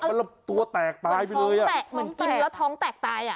มันแล้วตัวแตกตายไปเลยอ่ะเหมือนท้องแตกมันกินแล้วท้องแตกตายอ่ะ